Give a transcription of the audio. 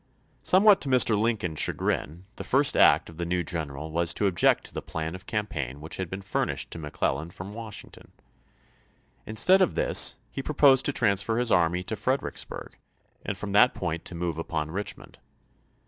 Somewhat to Mr. Lincoln's chagrin, the first act 1862. of the new general was to object to the plan of campaign which had been furnished to McClellan from Washington. Instead of this he proposed to transfer his army to Fredericksburg and from that point to move upon Richmond.